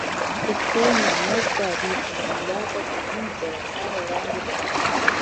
د ستونهنج تاریخ له میلاده دوهنیمزره کاله وړاندې دی.